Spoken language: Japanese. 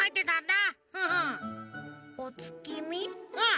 うん。